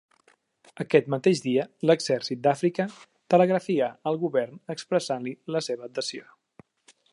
Aquest mateix dia, l'Exèrcit d'Àfrica, telegrafià al govern expressant-li la seva adhesió.